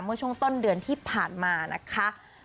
เมื่อช่วงต้นเดือนที่ผ่านมานะคะ